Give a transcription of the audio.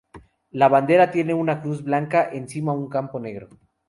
La bandera tiene una cruz blanca encima un campo negro.